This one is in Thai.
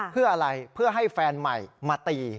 เพื่ออะไรเพื่อให้แฟนใหม่มาตี